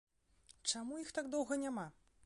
Чаму іх так доўга няма?